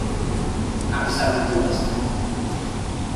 A pesar de todo esto.